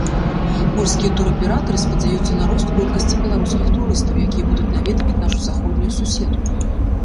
Польскія тураператары спадзяюцца на рост колькасці беларускіх турыстаў, якія будуць наведваць нашу заходнюю суседку.